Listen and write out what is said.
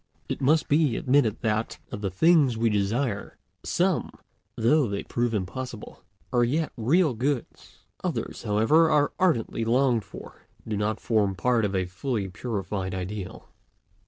It must be admitted that, of the things we desire, some, though they prove impossible, are yet real goods; others, however, as ardently longed for, do not form part of a fully purified ideal.